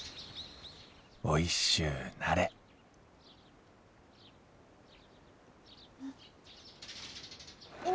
おいしゅうなれん！